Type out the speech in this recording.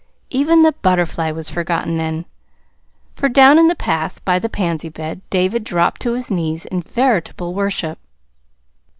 Even the butterfly was forgotten then, for down in the path by the pansy bed David dropped to his knees in veritable worship.